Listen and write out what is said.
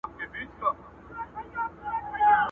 جهاني څه ویل رویبار په ماته، ماته ژبه!.